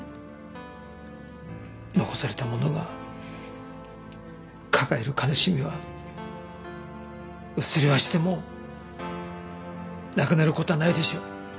残された者が抱える悲しみは薄れはしてもなくなる事はないでしょう。